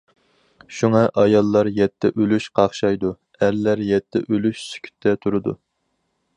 شۇڭا، ئاياللار يەتتە ئۈلۈش قاقشايدۇ، ئەرلەر يەتتە ئۈلۈش سۈكۈتتە تۇرىدۇ.